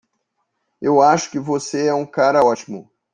Eu acho que você é um cara ótimo.